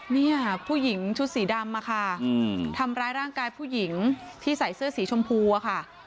เนี่ยผู้หญิงชุดสีดำอะค่ะทำร้ายร่างกายผู้หญิงที่ใส่เสื้อสีชมพูอะค่ะ